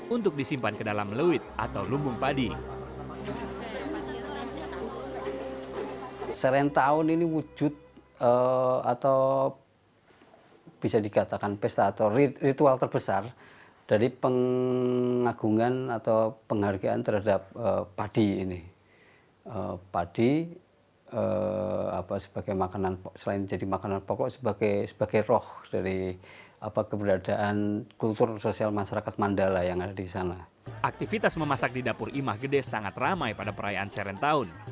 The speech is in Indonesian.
untuk disimpan ke dalam lewit atau lumbung padi serentau